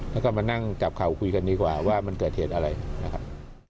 แล้วก็มานั่งจับเข่าคุยกันดีกว่าว่ามันเกิดเหตุอะไรนะครับ